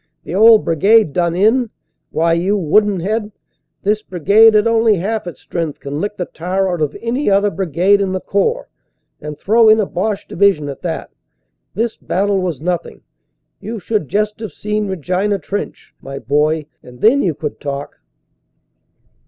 "The old Brigade done in? Why, you wooden head, this Brigade at only half its strength can lick the tar out of any other brigade in the Corps, and throw in a Boche division at that! This battle was nothing. You should just have seen Regina Trench, my boy, and then you could talk!"